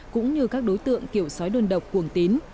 cũng như các đối tượng kiểu sói đôn độc cuồng tín